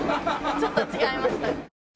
ちょっと違いました。